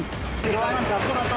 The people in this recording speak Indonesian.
di ruangan kapur atau ruangan